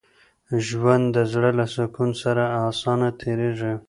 ژوند د زړه له سکون سره اسانه تېرېږي.